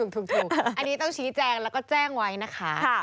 ถูกต้องอันนี้ต้องชี้แจงแล้วก็แจ้งไว้นะคะ